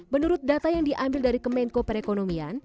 menurut data yang diambil dari kemenko perekonomian